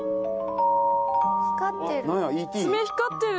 爪光ってる！